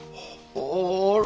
ほら！